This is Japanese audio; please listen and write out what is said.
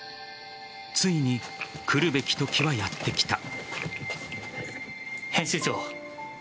ついに来るべき時はやってきた。